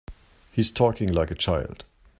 He's talking like a child.